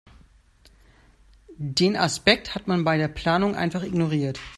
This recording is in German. Den Aspekt hat man bei der Planung einfach ignoriert.